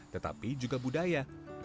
tetapi juga budaya